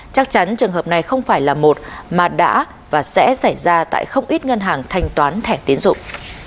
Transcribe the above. chắc chắn trường hợp này không phải là một mà đã và sẽ xảy ra tại không ít ngân hàng thanh toán thẻ tiến dụng